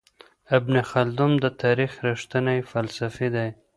ابن خلدون د تاريخ رښتينی فلسفي دی.